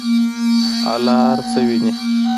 الله هر څه ویني.